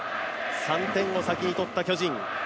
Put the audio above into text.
３点を先に取った巨人。